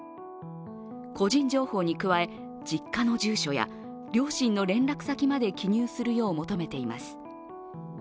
個人情報に加え、実家の住所や両親の連絡先まで記入するよう求めています。